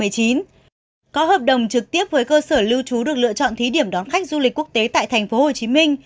có hợp đồng trực tiếp với cơ sở lưu trú được lựa chọn thí điểm đón khách du lịch quốc tế tại tp hcm